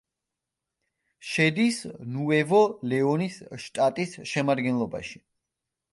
შედის ნუევო-ლეონის შტატის შემადგენლობაში.